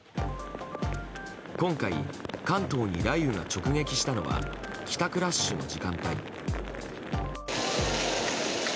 今回、関東に雷雨が直撃したのは帰宅ラッシュの時間帯。